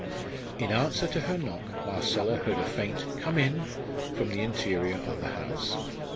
In answer to her knock Marcella heard a faint "Come in" from the interior of the house.